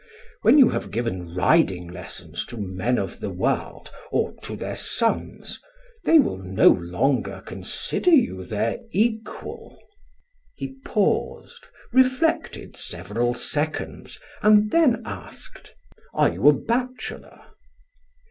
When you have given riding lessons to men of the world or to their sons, they will no longer consider you their equal." He paused, reflected several seconds and then asked: "Are you a bachelor?"